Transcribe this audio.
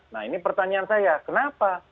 nah ini pertanyaan saya kenapa